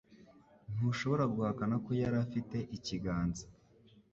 Ntushobora guhakana ko yari afite ikiganza.